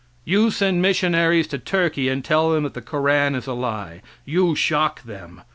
You send missionaries to Turkey and tell them that the Koran is a lie. You shock them.